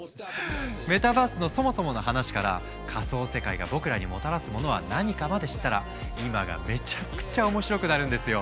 メタバースのそもそもの話から仮想世界が僕らにもたらすものは何かまで知ったら今がめちゃくちゃ面白くなるんですよ！